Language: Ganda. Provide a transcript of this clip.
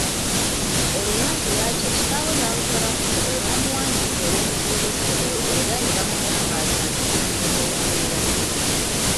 Olunaku lwakya kitaawe namutwala ku ssomero namuwandiisa ew’omukulu w’essomero era ne bamugamba atandike okusoma enkeera.